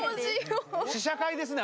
試写会ですね